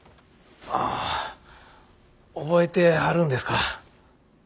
ああ覚えてはるんですか。